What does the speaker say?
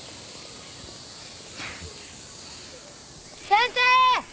・先生！